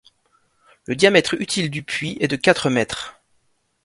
Le diamètre utile du puits est de quatre mètres.